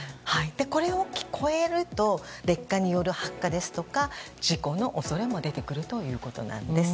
これを超えると劣化による発火ですとか事故の恐れも出てくるということです。